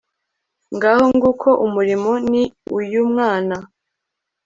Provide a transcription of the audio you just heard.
ngaho nguko umurimo ni uyu mwana